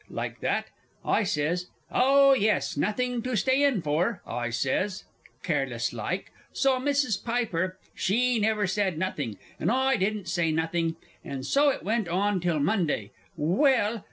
like that. I says, "Oh, yes; nothing to stay in for," I says, careless like; so Mrs. Piper, she never said nothing, and I didn't say nothing; and so it went on till Monday well!